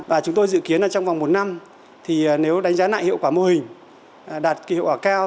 và chúng tôi dự kiến trong vòng một năm nếu đánh giá lại hiệu quả mô hình đạt hiệu quả cao